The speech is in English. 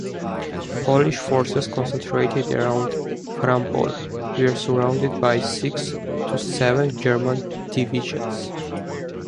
Polish forces, concentrated around Frampol, were surrounded by six to seven German divisions.